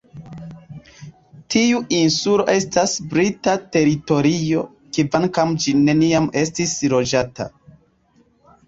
Tiu insulo estas brita teritorio, kvankam ĝi neniam estis loĝata.